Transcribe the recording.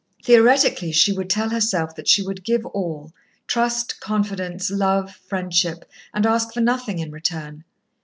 Theoretically she would tell herself that she would give all, trust, confidence, love, friendship, and ask for nothing in return.